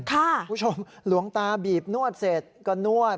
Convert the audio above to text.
ค่ะผู้ชมหลวงตาบีบนวดเสร็จก็นวด